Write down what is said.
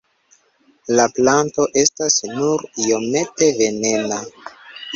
La planto estas nur iomete venena.